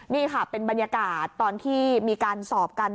นี่ค่ะเป็นบรรยากาศตอนที่มีการสอบกัน